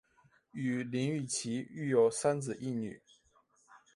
与林堉琪育有三子一女。